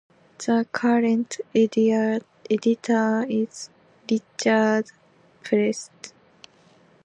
The current editor is Richard Prest.